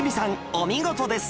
お見事です！